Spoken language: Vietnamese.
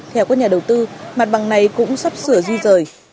theo các nhà đầu tư mặt bằng này cũng sắp sửa di rời